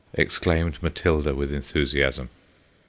exclaimed Matilda with enthusiasm.